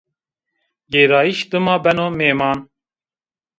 Gêrayîş dima beno mêman